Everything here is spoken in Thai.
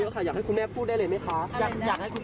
เขาแนะนำมาอย่างนี้ค่ะ